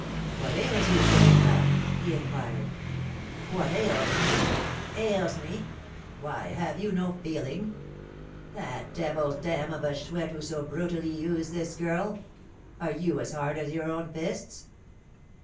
"What ails you, Chourineur?" he inquired. "What ails me? Ails me? Why, have you no feeling? That devil's dam of a Chouette who so brutally used this girl! Are you as hard as your own fists?"